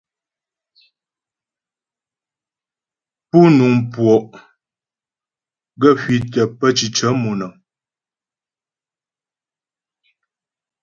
Pú nuŋ puɔ' gaə́ hwitə pə́ cǐcə monəŋ.